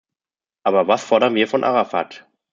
Aber was fordern wir von Arafat?